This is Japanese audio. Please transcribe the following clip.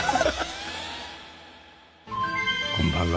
こんばんは。